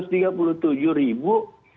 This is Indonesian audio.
sembuh tiga puluh enam ribu